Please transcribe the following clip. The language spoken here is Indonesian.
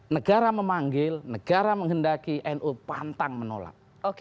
negara memanggil negara menghendaki nu pantang menolak